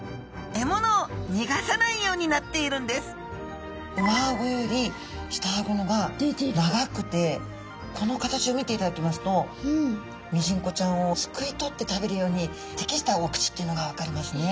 獲物をにがさないようになっているんです上あごより下あごの方が長くてこの形を見ていただきますとミジンコちゃんをすくい取って食べるように適したお口っていうのが分かりますね。